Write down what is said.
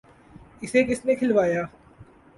‘ اسے کس نے کھلوایا؟